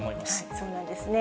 そうなんですね。